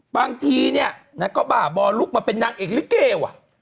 บางทีเนี่ยนางก็บ่าบอลุกมาเป็นนางเอกลิเกว่ะ